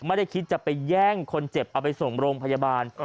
ไม่ได้คิดจะไปแย่งคนเจ็บเอาไปส่งโรงพยาบาล